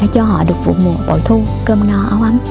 cho họ được vụ nguồn bội thu cơm no áo ấm